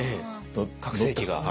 拡声器が。